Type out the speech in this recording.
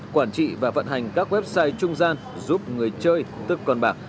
quản trị và vận hành các website trung gian giúp người chơi tức con bạc